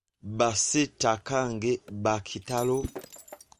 Ba sitakange baakitalo.